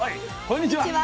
こんにちは。